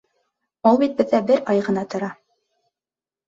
Ул бит беҙҙә бер ай ғына тора.